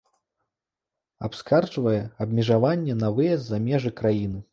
Абскарджвае абмежаванне на выезд за межы краіны.